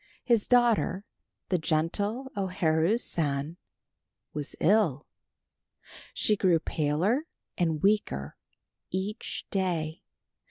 His daughter, the gentle O Haru San, was ill. She grew paler and weaker each day.